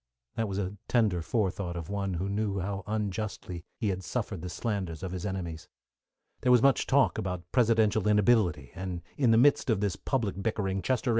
That was a tender forethought of one who knew how unjustly he had suffered the slanders of his enemies. There was much talk about presidential inability, and in the midst of this public bickering Chester A.